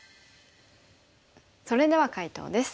それでは解答です。